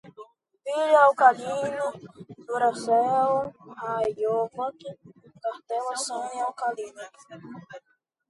Pilha, alcalinas, duracell, rayovak, cartela, sony, alcalina